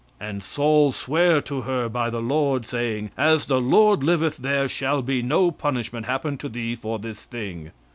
"And Saul sware to her by the Lord, saying, As the Lord liveth there shall no punishment happen to thee for this thing.